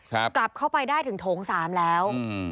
กลับเข้าไปได้ถึงโถงสามแล้วอืม